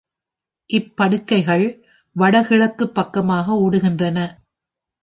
இப் படுகைகள் வடகிழக்குப் பக்கமாக ஓடுகின்றன.